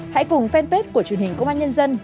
hãy cùng fanpage của truyền hình công an nhân dân